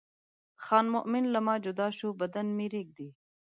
خان مومن له ما جدا شو بدن مې رېږدي.